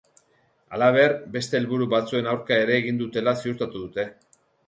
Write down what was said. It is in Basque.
Halaber, beste helburu batzuen aurka ere egin dutela ziurtatu dute.